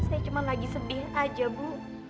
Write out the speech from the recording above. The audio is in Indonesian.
saya cuma lagi sedih aja bu